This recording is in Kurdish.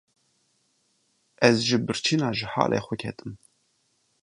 Ez ji birçîna ji halê xwe ketim.